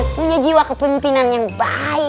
punya jiwa kepemimpinan yang baik